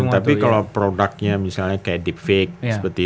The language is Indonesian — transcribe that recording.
tapi kalau produknya misalnya kayak deep fake